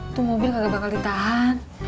itu mobil nggak bakal ditahan